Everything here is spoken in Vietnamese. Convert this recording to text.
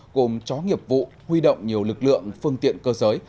gồm chó nghiệp vụ huy động nhiều lực lượng phương tiện cơ giới